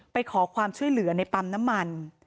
ไปขอความช่วยเหลือในปั๊มน้ำมัน